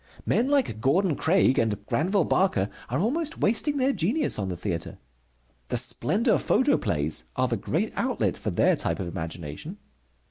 Men like Gordon Craig and Granville Barker are almost wasting their genius on the theatre. The Splendor Photoplays are the great outlet for their type of imagination.